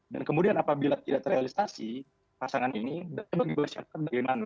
dan kemudian apabila tidak terrealisasi pasangan ini bagaimana